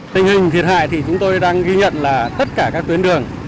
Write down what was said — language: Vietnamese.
tình hình thiệt hại thì chúng tôi đang ghi nhận là tất cả các tuyến đường